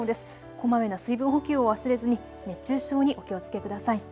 こまめな水分補給を忘れずに熱中症にお気をつけください。